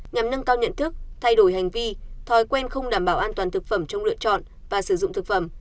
nhằm nâng cao nhận thức thay đổi hành vi thói quen không đảm bảo an toàn thực phẩm trong lựa chọn và sử dụng thực phẩm